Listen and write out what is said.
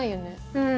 うん。